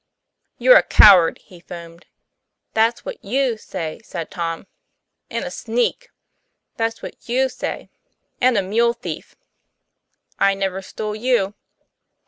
"You're a coward!" he foamed. 'That's whatjvw say," said Tom, "And a sneak." "That's what;w/ say." "And a mule thief." '" I never stole you."